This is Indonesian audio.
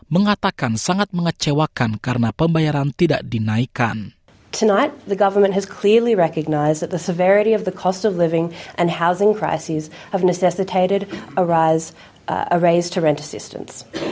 mengatakan sangat mengecewakan karena pembayaran tidak dinaikkan